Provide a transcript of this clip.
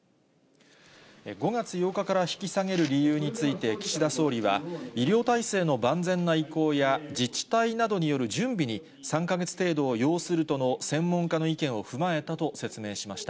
５月８日から引き下げる理由について岸田総理は、医療体制の万全な移行や、自治体などによる準備に、３か月程度を要するとの専門家の意見を踏まえたと説明しました。